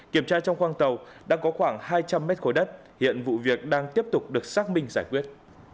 kiểm tra trong khoang tàu đã có khoảng hai trăm linh mét khối đất hiện vụ việc đang tiếp tục được xác minh giải quyết